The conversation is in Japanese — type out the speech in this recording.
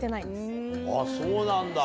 そうなんだ。